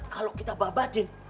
kalau kita babatin